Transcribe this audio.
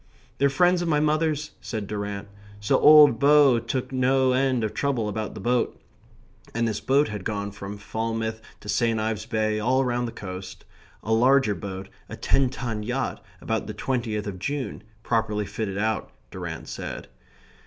"They're friends of my mother's," said Durrant. "So old Bow took no end of trouble about the boat." And this boat had gone from Falmouth to St. Ives Bay, all round the coast. A larger boat, a ten ton yacht, about the twentieth of June, properly fitted out, Durrant said...